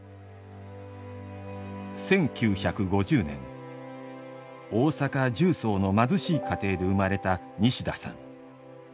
１９５０年大阪・十三の貧しい家庭で生まれた西田さん。